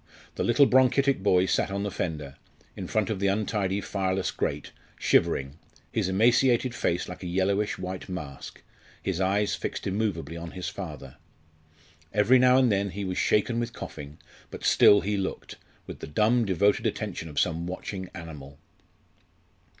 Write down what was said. The little bronchitic boy sat on the fender, in front of the untidy fireless grate, shivering, his emaciated face like a yellowish white mask, his eyes fixed immovably on his father. Every now and then he was shaken with coughing, but still he looked with the dumb devoted attention of some watching animal.